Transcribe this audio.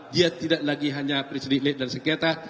dia tidak lagi hanya presiden elect dalam sengketa